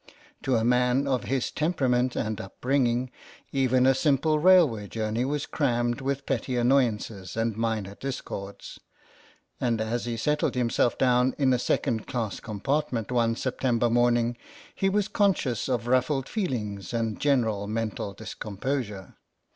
To a man of his temperament and upbringing even a simple railway journey was crammed with petty annoyances and minor discords, and as he settled himself down in a second class compartment one September morning he was conscious of rufHed feelings and general mental discomposure.